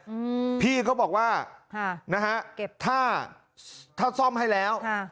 อืมพี่เขาบอกว่าค่ะนะฮะเก็บท่าถ้าถ้าซ่อมให้แล้วค่ะ